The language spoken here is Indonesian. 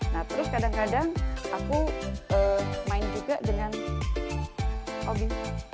nah terus kadang kadang aku main juga dengan hobi